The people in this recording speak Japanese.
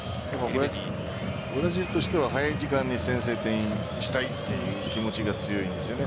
ブラジルとしては早い時間に先制点したいという気持ちが強いんですよね。